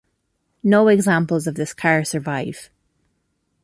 No examples of this car survive.